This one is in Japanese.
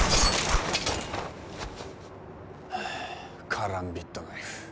カランビットナイフ。